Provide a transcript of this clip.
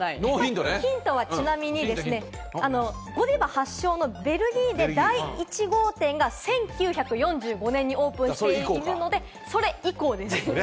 ヒントはちなみに、ゴディバ発祥のベルギーで第１号店が１９４５年にオープンしているので、それ以降です。